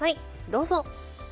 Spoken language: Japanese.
どうぞ。